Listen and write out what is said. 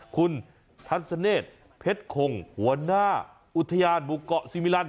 คุณทัศเนธเพชรคงหัวหน้าอุทยานบุกเกาะซีมิลัน